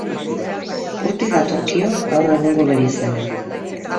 Hortik datorkio gaur egungo bere izena.